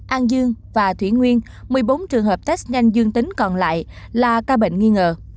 an dương và thủy nguyên một mươi bốn trường hợp test nhanh dương tính còn lại là ca bệnh nghi ngờ